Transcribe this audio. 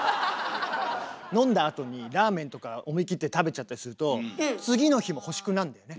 飲んだあとにラーメンとか思い切って食べちゃったりすると次の日も欲しくなるんだよね。